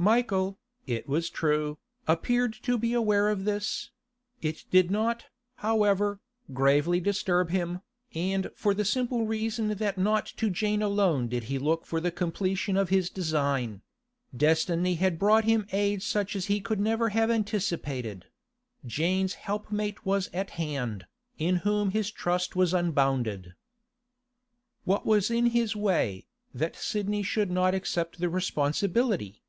Michael, it was true, appeared to be aware of this; it did not, however, gravely disturb him, and for the simple reason that not to Jane alone did he look for the completion of his design; destiny had brought him aid such as he could never have anticipated; Jane's helpmate was at hand, in whom his trust was unbounded. What was in his way, that Sidney should not accept the responsibility?